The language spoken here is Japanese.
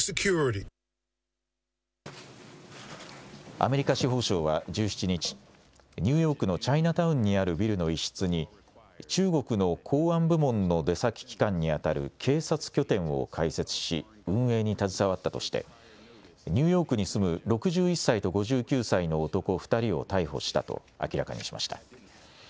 アメリカ司法省は１７日、ニューヨークのチャイナタウンにあるビルの一室に、中国の公安部門の出先機関に当たる警察拠点を開設し、運営に携わったとして、ニューヨークに住む６１歳と５９歳の男２人を逮捕したと明らかにしました。